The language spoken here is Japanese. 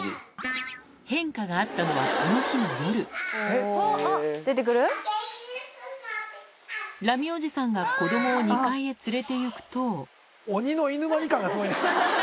変化があったのはこの日の夜ラミおじさんが子供を２階へ連れて行くと鬼の居ぬ間に感がすごいな。